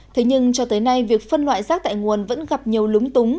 thế nhưng cho tới nay việc phân loại rác tại nguồn vẫn gặp nhiều lúng túng